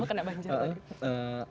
oh kena banjir